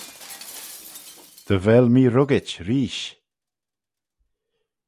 Dy veil mee ruggyt, raesht.